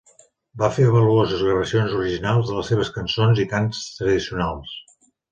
Va fer valuoses gravacions originals de les seves cançons i cants tradicionals.